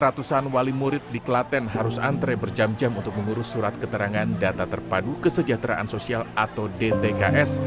ratusan wali murid di klaten harus antre berjam jam untuk mengurus surat keterangan data terpadu kesejahteraan sosial atau dtks